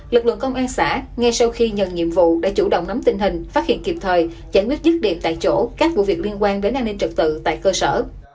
lực lượng công an xã ngay sau khi nhận nhiệm vụ đã chủ động nắm tình hình phát hiện kịp thời giải quyết dứt điểm tại chỗ các vụ việc liên quan đến an ninh trật tự tại cơ sở